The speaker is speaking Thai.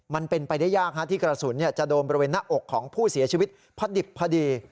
มันเป็นไปได้ยากที่กระสุนจะโดนบริเวณหน้าอกของผู้เสียชีวิตพอดิบพอดี